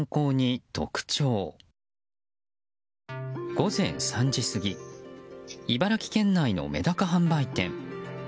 午前３時過ぎ茨城県内のメダカ販売店。